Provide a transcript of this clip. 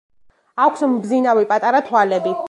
აქვს მბზინავი პატარა თვალები.